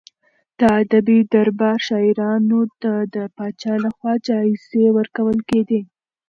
د ادبي دربار شاعرانو ته د پاچا لخوا جايزې ورکول کېدې.